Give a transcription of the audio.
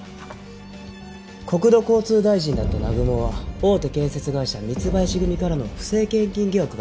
国土交通大臣だった南雲は大手建設会社光林組からの不正献金疑惑があったでしょ。